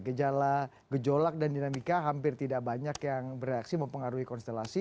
gejala gejolak dan dinamika hampir tidak banyak yang bereaksi mempengaruhi konstelasi